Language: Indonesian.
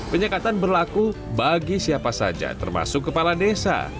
penyekatan berlaku bagi siapa saja termasuk kepala desa